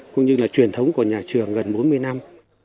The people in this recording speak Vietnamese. cũng như là truyền thống của nhà trường gần bốn mươi năm